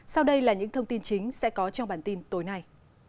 sau đây là những thông tin chính sẽ có trong bản tin tối nay